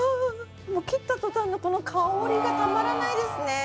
もう切ったとたんのこの香りがたまらないですね